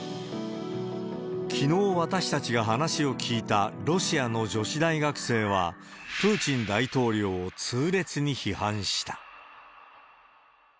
きのう、私たちが話を聞いたロシアの女子大学生は、プーチン大統領を痛烈に批判した。